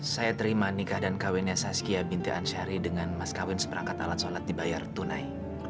saya terima nikah dan kawinnya saskia binti ansyari dengan mas kawin seperangkat alat sholat dibayar tunai